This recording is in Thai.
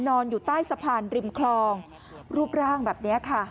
นอนอยู่ใต้สะพานริมคลองรูปร่างแบบนี้ค่ะ